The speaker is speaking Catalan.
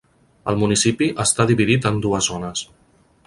El municipi està dividit en dues zones.